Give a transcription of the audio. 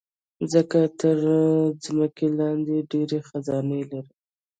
مځکه تر ځمکې لاندې ډېر خزانے لري.